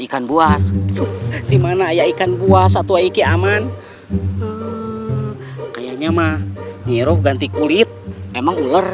ikan buas gimana ya ikan buas satu lagi aman kayaknya mah nyiroh ganti kulit emang ular